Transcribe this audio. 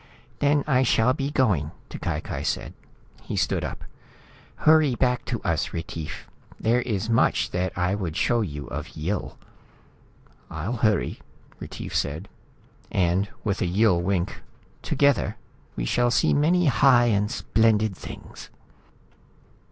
"Then I shall be going," T'Cai Cai said. He stood up. "Hurry back to us, Retief. There is much that I would show you of Yill." "I'll hurry," Retief said and, with a Yill wink: "Together we shall see many high and splendid things!"